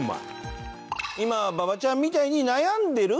今馬場ちゃんみたいに悩んでる